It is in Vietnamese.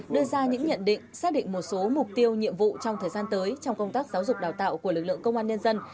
đưa ra những nhận định xác định một số mục tiêu nhiệm vụ trong thời gian tới trong công tác giáo dục đào tạo của lực lượng công an nhân dân